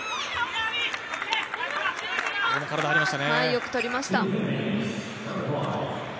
よく取りました。